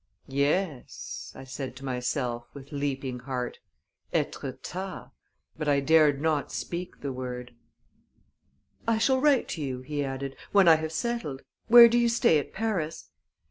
"Yes," I said to myself, with leaping heart, "Etretat!" But I dared not speak the word. "I shall write to you," he added, "when I have settled. Where do you stay at Paris?"